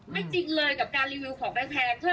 จริงเลยกับการรีวิวของแพง